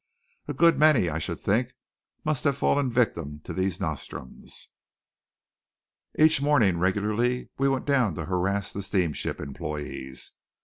A good many, I should think, must have fallen victims to these nostrums. Each morning regularly we went down to harass the steamship employees.